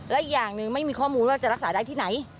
และอีกอย่างหนึ่งไม่มีข้อมูลว่าจะรักษาได้ที่ไหน